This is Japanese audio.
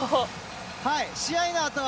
試合のあと。